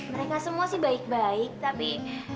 mereka semua sih baik baik tapi